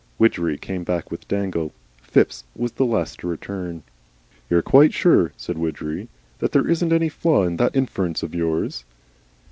Widgery came back with Dangle. Phipps was the last to return. "You're quite sure," said Widgery, "that there isn't any flaw in that inference of yours?"